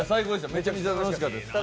めちゃくちゃ楽しかったです。